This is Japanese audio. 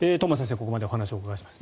ここまでお話をお伺いしました。